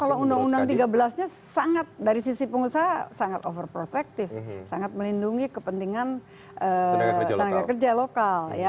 kalau undang undang tiga belas nya sangat dari sisi pengusaha sangat over protective sangat melindungi kepentingan tenaga kerja lokal